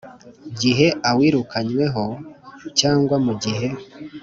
Gihe awirukanywemo cyangwa mu gihe